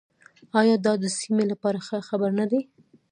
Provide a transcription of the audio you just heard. آیا دا د سیمې لپاره ښه خبر نه دی؟